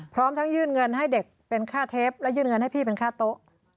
พร้อมทั้งยื่นเงินให้เด็กเป็นค่าเทปและยื่นเงินให้พี่เป็นค่าโต๊ะ